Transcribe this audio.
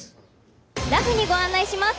「らふ」にご案内します。